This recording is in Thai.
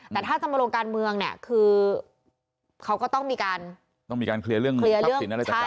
แต่ถ้าจำลงการเมืองเนี่ยก็ต้องมีการเคลียร์เรื่องทักศิลป์